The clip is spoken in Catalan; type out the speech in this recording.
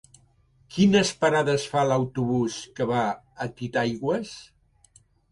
Quines parades fa l'autobús que va a Titaigües?